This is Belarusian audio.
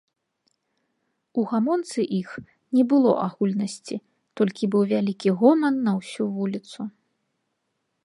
У гамонцы іх не было агульнасці, толькі быў вялікі гоман на ўсю вуліцу.